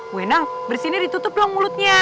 bu endang bersinnya ditutup doang mulutnya